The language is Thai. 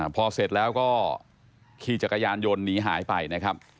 พอเสร็จแล้วก็ขี่จักรยานยนต์หนีหายไปนะครับ